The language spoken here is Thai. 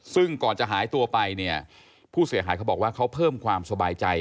ซึ่งก่อนจะหายตัวไปเนี่ยผู้เสียหายเขาบอกว่าเขาเพิ่มความสบายใจ